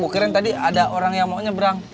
gue kira tadi ada orang yang mau nyebrang